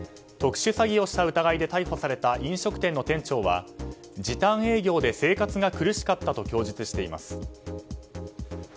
特殊詐欺をした疑いで逮捕された飲食店の店長は時短営業で生活が苦しかったと供述しています。